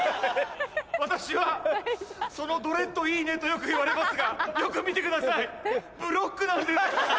私は「そのドレッドいいね」とよく言われますがよく見てくださいブロックなんです。